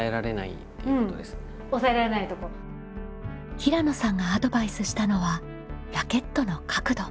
平野さんがアドバイスしたのはラケットの角度。